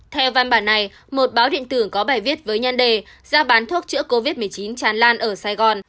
theo văn bản này một báo điện tưởng có bài viết với nhân đề giao bán thuốc chữa covid một mươi chín tràn lan ở sài gòn